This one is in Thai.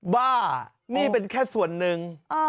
ว่านี่เป็นแค่ส่วนหนึ่ง